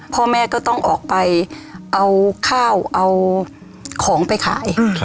พ่อแม่ก็ต้องออกไปเอาข้าวเอาของไปขาย